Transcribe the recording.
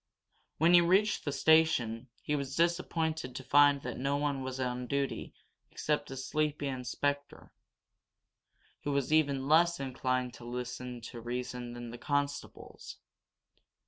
When he reached the station he was disappointed to find that no one was on duty except a sleepy inspector, who was even less inclined to listen to reason than the constables.